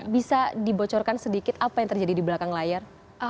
bisa dibocorkan sedikit apa yang terjadi di belakang layar